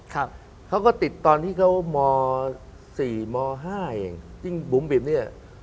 เขาก็ติดตอนที่เขามสี่มห้าเองยิ่งบุ๋มบิ๋มเนี้ย